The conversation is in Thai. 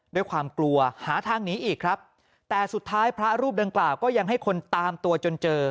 ด้วยความกลัวหาทางหนีอีกครับแต่สุดท้ายพระรูปดังกล่าวก็ยังให้คนตามตัวจนเจอ